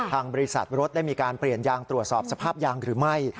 ทางบริษัทรถได้มีการเปลี่ยนยางตรวจสอบสภาพยางหรือไม่